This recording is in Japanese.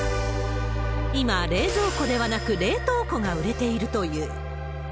今、冷蔵庫ではなく冷凍庫が売れているという。